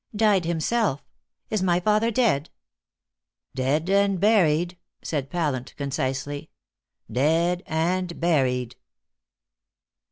"Died himself! Is my father dead?" "Dead and buried," said Pallant concisely; "dead and buried."